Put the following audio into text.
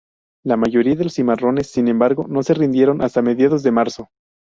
La mayoría de los cimarrones, sin embargo, no se rindieron hasta mediados de marzo.